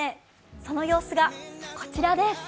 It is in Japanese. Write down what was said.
その様子がこちらです。